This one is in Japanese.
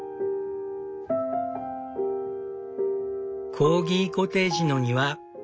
コーギコテージの庭。